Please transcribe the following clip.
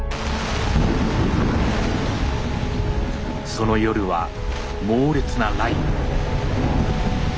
その夜は猛烈な雷雨。